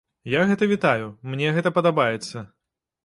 Я гэта вітаю, мне гэта падабаецца.